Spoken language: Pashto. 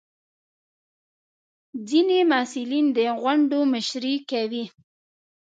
ځینې محصلین د غونډو مشري کوي.